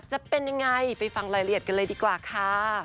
จะเป็นยังไงไปฟังรายละเอียดกันเลยดีกว่าค่ะ